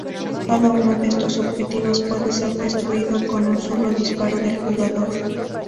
Cada uno de estos objetivos puede ser destruido con un solo disparo del jugador.